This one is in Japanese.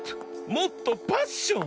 もっとパッション！